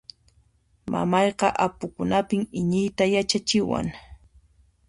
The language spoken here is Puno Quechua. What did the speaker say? Mamayqa apukunapin iñiyta yachachiwan.